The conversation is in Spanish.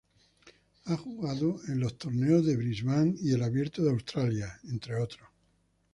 Ha jugado en los torneos de Brisbane y el Abierto de Australia, entre otros.